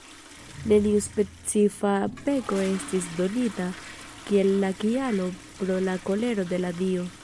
Neniu specifa peko estis donita kiel la kialo pro la kolero de la dio.